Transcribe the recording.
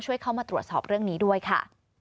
เข้ามาตรวจสอบเรื่องนี้ด้วยค่ะ